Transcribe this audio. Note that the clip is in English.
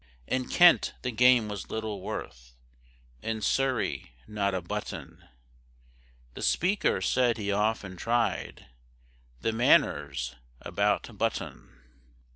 In Kent the game was little worth, In Surrey not a button; The Speaker said he often tried The Manors about Button.